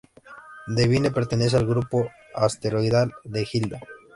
Devine pertenece al grupo asteroidal de Hilda.